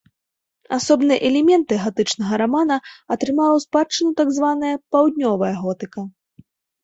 Асобныя элементы гатычнага рамана атрымала ў спадчыну так званая паўднёвая готыка.